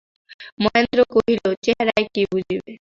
মহেন্দ্র কহিল, চেহারায় কী বুঝিবে।